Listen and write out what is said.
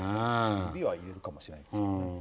指は入れるかもしれないですけどね。